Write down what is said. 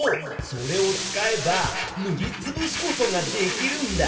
それを使えばぬりつぶすことができるんだ。